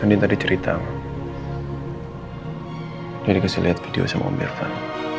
danin tadi cerita dia dikasih liat video sama om birvan